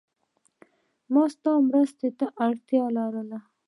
ما ستا مرستی ته اړتیا لرله.